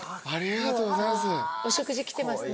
お食事来てますね。